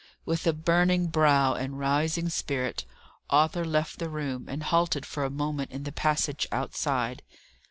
With a burning brow and rising spirit, Arthur left the room, and halted for a moment in the passage outside.